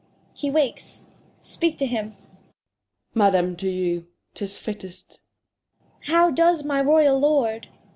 — He wakes, speak to him. Gent. Madam, do you, 'tis fittest. Cord. How do's my royal Lord?